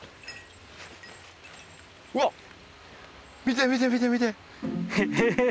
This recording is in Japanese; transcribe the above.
うわ見て見て見て見て！